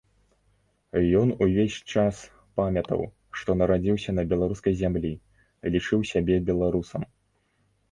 Ён увесь час памятаў, што нарадзіўся на беларускай зямлі, лічыў сябе беларусам.